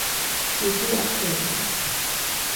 შვიდი ათეული.